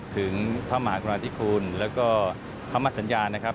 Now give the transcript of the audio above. พระมหากรุณาธิคุณแล้วก็คำสัญญานะครับ